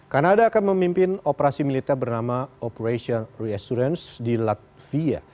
kanada akan memimpin operasi militer bernama operation reassurance di latvia